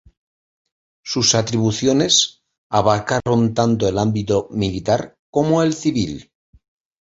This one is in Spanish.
Sus atribuciones abarcaron tanto el ámbito militar como el civil.